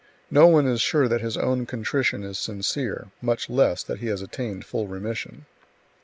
No one is sure that his own contrition is sincere; much less that he has attained full remission.